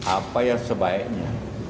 apa yang sebaiknya